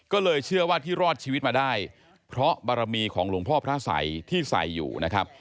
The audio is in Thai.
ก็เลยเชื่อว่าที่รอดชีวิตมาได้เพราะบารมีของหลวงพ่อพระสัยที่ใส่อยู่นะครับ